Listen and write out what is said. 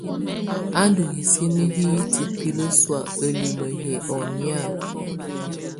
Á ndù hisini hitibilǝ sɔ̀á ǝlimǝ yɛ ɔnɛ̀á.